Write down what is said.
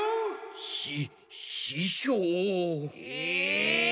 しししょう⁉ええ！